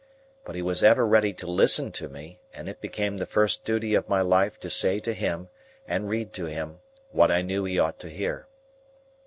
But he was ever ready to listen to me; and it became the first duty of my life to say to him, and read to him, what I knew he ought to hear.